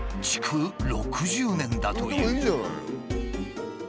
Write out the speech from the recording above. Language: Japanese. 築６０年だという。